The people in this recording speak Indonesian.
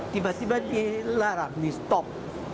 tiba tiba dia dilarang di stop